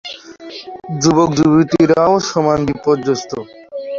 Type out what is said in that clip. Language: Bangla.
যুবক-যুবতীরাও সমান বিপর্যস্ত।